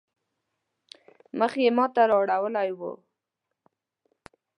مخ يې ما ته رااړولی وو.